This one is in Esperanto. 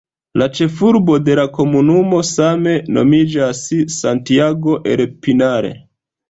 La ĉefurbo de la komunumo same nomiĝas "Santiago el Pinar".